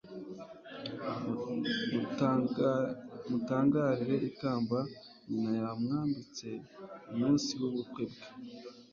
mutangarire ikamba nyina yamwambitse umunsi w'ubukwe bwe